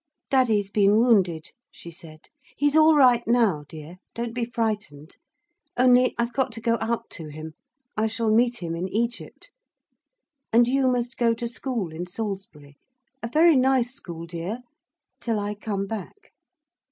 'Daddy's been wounded,' she said; 'he's all right now, dear don't be frightened. Only I've got to go out to him. I shall meet him in Egypt. And you must go to school in Salisbury, a very nice school, dear, till I come back.'